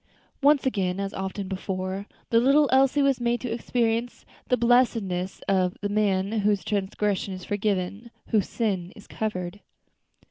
Once again, as often before, the little Elsie was made to experience the blessedness of "the man whose transgression is forgiven, whose sin is covered."